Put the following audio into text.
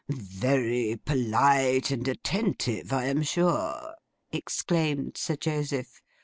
'Very polite and attentive, I am sure!' exclaimed Sir Joseph.